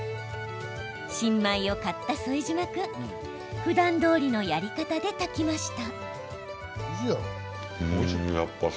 新米を買った副島君ふだんどおりのやり方で炊きました。